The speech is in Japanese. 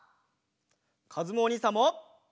かずむおにいさんも。